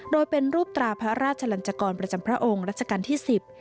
โดยเป็นรูปตราพระราชลันจกรประจำพระองค์รัชกาลที่สิบ